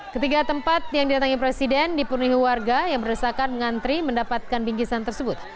ketiga tempat yang didatangi presiden dipurni keluarga yang berusaha mengantri mendapatkan bingkisan tersebut